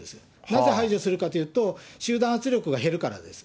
なぜ排除するかというと、集団圧力が減るからです。